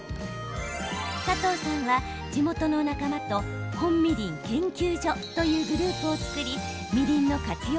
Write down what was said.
佐藤さんは地元の仲間と本みりん研究所というグループを作りみりんの活用